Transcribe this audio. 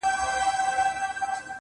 اوس که را هم سي پر څنک رانه تېرېږي,